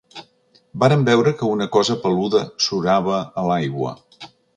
Vàrem veure que una cosa peluda surava a l’aigua.